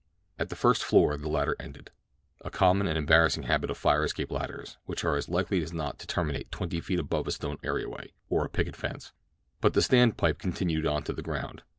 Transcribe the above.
At the first floor the ladder ended—a common and embarrassing habit of fire escape ladders, which are as likely as not to terminate twenty feet above a stone areaway, or a picket fence—but the stand pipe continued on to the ground.